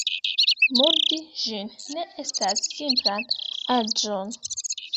Murdi ĝin ne estas simplan aĵon.